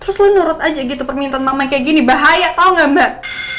terus lu nurut aja gitu permintaan mama yang kayak gini bahaya tau gak mbak